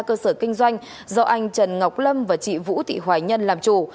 cơ sở kinh doanh do anh trần ngọc lâm và chị vũ thị hoài nhân làm chủ